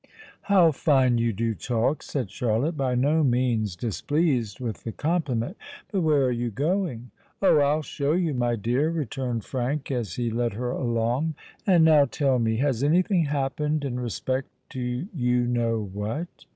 "How fine you do talk!" said Charlotte, by no means displeased with the compliment. "But where are you going?" "Oh! I'll show you, my dear," returned Frank, as he led her along. "And now tell me—has anything happened in respect to you know what?"